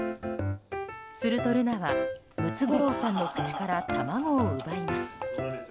するとルナは、ムツゴロウさんの口から卵を奪います。